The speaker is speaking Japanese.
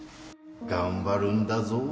・頑張るんだぞ